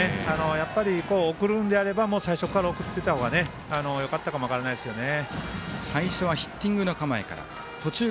やっぱり送るのであれば最初から送ってたほうがよかったかも分からないですよね。